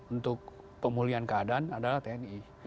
untuk pemulihan keadaan adalah tni